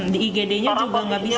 di igd nya juga nggak bisa